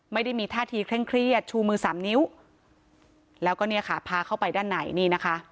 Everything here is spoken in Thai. ไม่ได้มีท่าทีเคร่งเครียดชูมือสามนิ้วแล้วก็เนี่ยค่ะพาเข้าไปด้านในนี่นะคะ